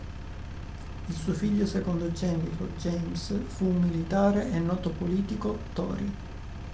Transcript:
Il suo figlio secondogenito, James fu un militare e noto politico Tory.